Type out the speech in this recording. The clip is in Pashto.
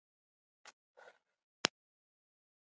دوی د تفریح لپاره ډیر وسایل په لاس کې لري